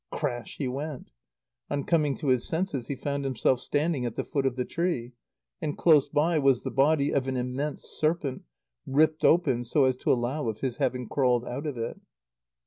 Crash he went. On coming to his senses, he found himself standing at the foot of the tree; and close by was the body of an immense serpent, ripped open so as to allow of his having crawled out of it.